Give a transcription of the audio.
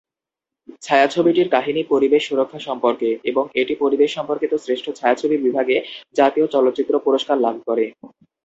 ছায়াছবিটির কাহিনী পরিবেশ সুরক্ষা সম্পর্কে এবং এটি পরিবেশ সম্পর্কিত শ্রেষ্ঠ ছায়াছবির বিভাগে জাতীয় চলচ্চিত্র পুরস্কার লাভ করে।